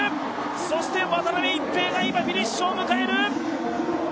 そして渡辺一平が今フィニッシュを迎える。